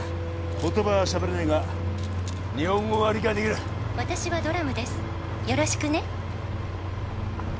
言葉はしゃべれねえが日本語が理解できる「私はドラムですよろしくね」